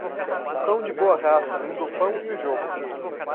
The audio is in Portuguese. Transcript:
O cão de boa raça lembra o pão e o jogo.